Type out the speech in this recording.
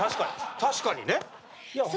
確かにね。